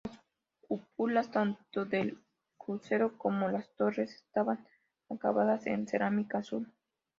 Las cúpulas, tanto del crucero como las torres, están acabadas en cerámica azul.